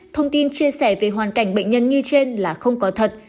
thông tin chia sẻ về hoàn cảnh bệnh nhân nghi trên là không có thật